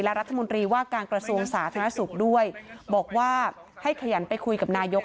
และรัฐมนตรีว่าการกระทรวงสาธารณสุขด้วยบอกว่าให้ขยันไปคุยกับนายก